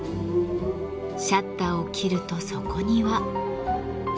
シャッターを切るとそこには。